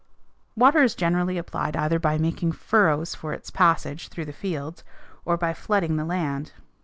Water is generally applied either by making furrows for its passage through the fields or by flooding the land.